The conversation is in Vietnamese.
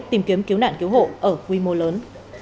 tìm kiếm cứu nạn cứu hộ ở quy mô lớn